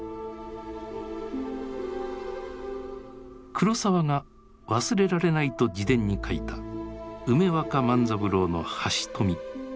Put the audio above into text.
黒澤が忘れられないと自伝に書いた梅若万三郎の「半蔀」。